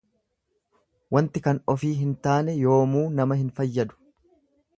Wanti kan ofii hin taane yoomuu nama hin fayyadu.